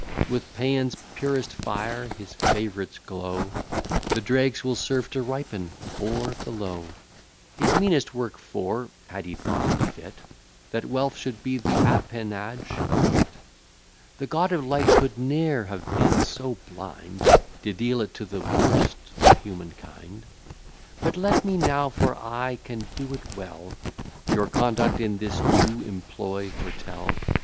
With Pæan's purest fire his favourites glow, The dregs will serve to ripen ore below: His meanest work: for, had he thought it fit That wealth should be the appanage of wit, The god of light could ne'er have been so blind To deal it to the worst of human kind. But let me now, for I can do it well, Your conduct in this new employ foretell.